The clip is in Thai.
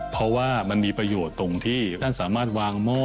เพราะว่ามันมีประโยชน์ตรงที่ท่านสามารถวางหม้อ